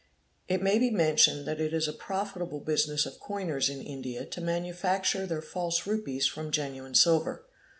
It may be mentioned that it is a profitable business of coiners in India to manufacture their false rupees from genuine silver.